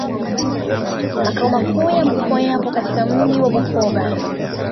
Makao Makuu ya Mkoa yapo katika mji wa Bukoba u